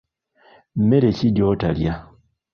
Mmere ki gy'otalya?